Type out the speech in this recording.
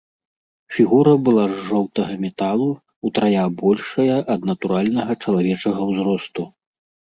Фігура была з жоўтага металу, утрая большая ад натуральнага чалавечага ўзросту.